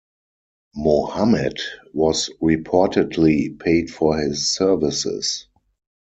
Mohammed was reportedly paid for his services.